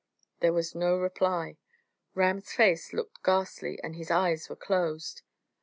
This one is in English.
There was no reply. Ram's face looked ghastly, and his eyes were closed.